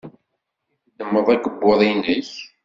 I teddmeḍ akebbuḍ-nnek?